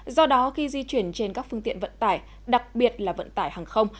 do đó khi di chuyển trên các phương tiện vận tải đặc biệt là vận tải hàng không